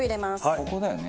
ここだよね。